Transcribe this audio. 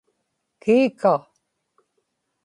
kiika